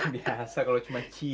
biasa kalau cuma cie